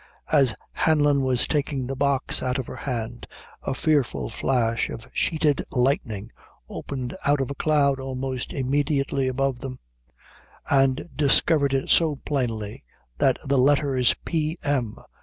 As Hanlon was taking the box out of her hand, a fearful flash of sheeted lightning opened out of a cloud almost immediately above them, and discovered it so plainly, that the letters P. M.